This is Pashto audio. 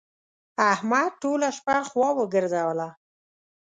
احمد ټوله شپه خوا وګرځوله.